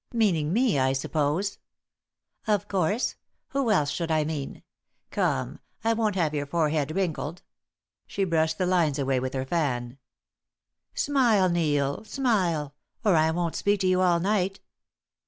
"Meaning me, I suppose?" "Of course. Who else should I mean? Come. I won't have your forehead wrinkled." She brushed the lines away with her fan. "Smile, Neil, smile, or I won't speak to you all night."